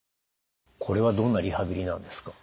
これはどんなリハビリなんですか？